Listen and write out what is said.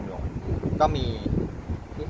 พี่พอแล้วพี่พอแล้ว